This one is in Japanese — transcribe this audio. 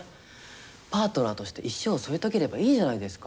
パートナーとして一生を添い遂げればいいじゃないですか。